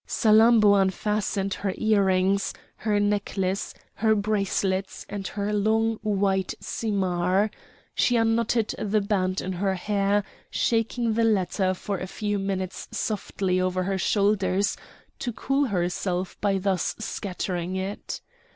Salammbô unfastened her earrings, her necklace, her bracelets, and her long white simar; she unknotted the band in her hair, shaking the latter for a few minutes softly over her shoulders to cool herself by thus scattering it.